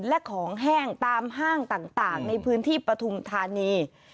และของแห้งตามห้างต่างในพื้นที่ปฐุมธานี